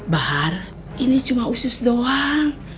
bahar ini cuma usus doang